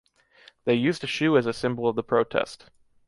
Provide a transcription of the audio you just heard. They used a shoe as a symbol of the protest.